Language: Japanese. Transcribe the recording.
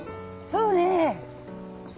そうね。